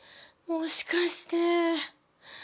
もしかして。